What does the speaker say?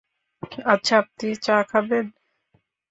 আচ্ছা, আপনি চা খাবেন?